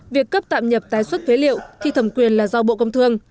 việc cấp tạm nhập tái xuất phế liệu thì thẩm quyền là do bộ công thương